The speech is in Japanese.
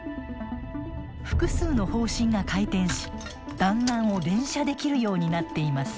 複数の砲身が回転し弾丸を連射できるようになっています。